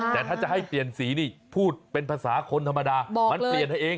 แต่ถ้าจะให้เปลี่ยนสีนี่พูดเป็นภาษาคนธรรมดามันเปลี่ยนให้เอง